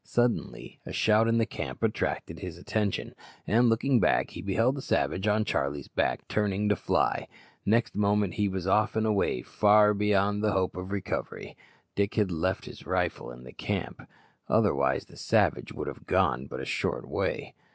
Suddenly a shout in the camp attracted his attention, and looking back he beheld the savage on Charlie's back turning to fly. Next moment he was off and away far beyond the hope of recovery. Dick had left his rifle in the camp, otherwise the savage would have gone but a short way.